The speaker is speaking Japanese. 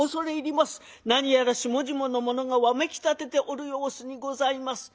何やら下々の者がわめき立てておる様子にございます」。